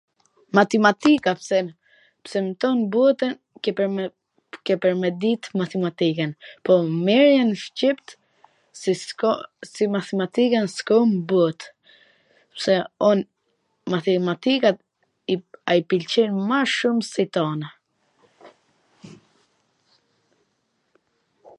mathimatika them, pse n tan botwn ke pwr me dit mathimatikwn, po merrjwn shqip se si mathimatika s ka n bot, pse mathimatika i pwlqen ma shum se t tona